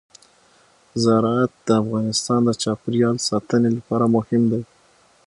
زراعت د افغانستان د چاپیریال ساتنې لپاره مهم دي.